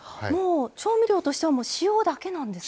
調味料としては塩だけなんですね。